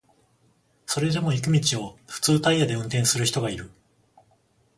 それでも雪道を普通タイヤで運転する人がいる